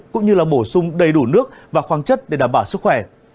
cũng như là bổ sung đầy đủ nước và khoáng chất để đảm bảo sức khỏe